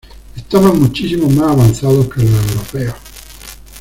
Estaban muchísimo más avanzados que los europeos.